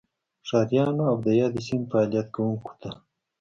ښاریانو او دیادې سیمې فعالیت کوونکو ته